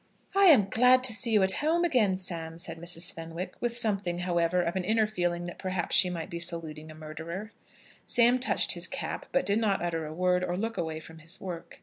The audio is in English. "I am glad to see you at home again, Sam," said Mrs. Fenwick, with something, however, of an inner feeling that perhaps she might be saluting a murderer. Sam touched his cap, but did not utter a word, or look away from his work.